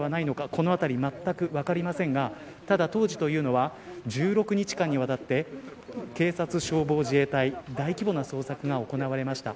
この辺りまったく分かりませんがただ当時というのは１６日間にわたって警察、消防、自衛隊大規模な捜索が行われました。